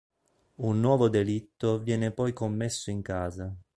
Un nuovo delitto viene poi commesso in casa.